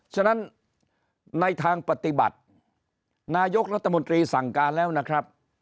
ฉะนั้นในทางปฏิบัตินายกรัฐมนตรีสั่งการแล้วนะครับ